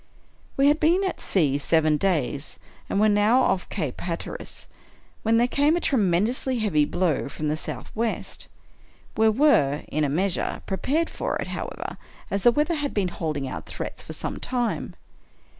We had been at sea seven days, and were now off Cape Hatteras, when there came a tremendously heavy blow from the southwest. We were, in a measure, prepared for it, however, as the weather had been holding out threats for some time.